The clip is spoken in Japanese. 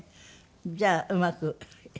じゃあうまく。